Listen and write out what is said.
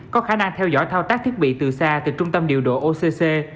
có khả năng theo dõi thao tác thiết bị từ xa từ trung tâm điều độ occ